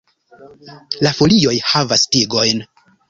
La folioj havas tigojn.